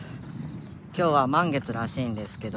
今日は満月らしいんですけど。